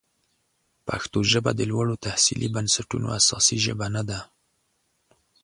پښتو ژبه د لوړو تحصیلي بنسټونو اساسي ژبه نه ده.